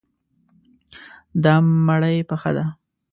دا مړی پخه دی.